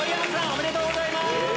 おめでとうございます！